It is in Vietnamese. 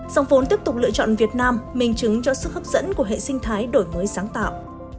dòng vốn tiếp tục lựa chọn việt nam minh chứng cho sức hấp dẫn của hệ sinh thái đổi mới sáng tạo